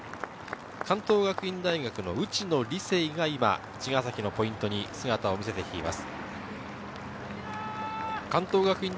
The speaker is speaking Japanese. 関東学院大学の内野李彗が茅ヶ崎のポイントに姿を見せてきています。